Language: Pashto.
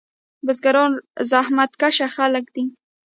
بزګران زحمت کشه خلک دي.